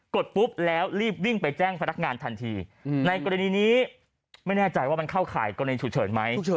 ดปุ๊บแล้วรีบวิ่งไปแจ้งพนักงานทันทีในกรณีนี้ไม่แน่ใจว่ามันเข้าข่ายกรณีฉุกเฉินไหม